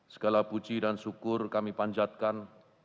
segala puji dan syukur kami panjatkan